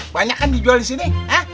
banyak kan dijual disini